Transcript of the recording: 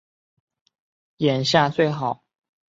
眼下最好的办法就是趁袁谭请求救援而予以安抚。